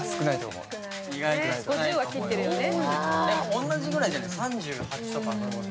おんなじぐらいじゃない？